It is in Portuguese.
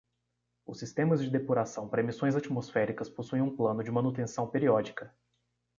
Os sistemas de depuração para emissões atmosféricas possuem um plano de manutenção periódica.